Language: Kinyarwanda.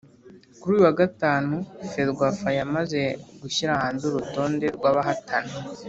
kuri uyu wa gatanu ferwafa yamaze gushyira hanze urutonde rw’abahatana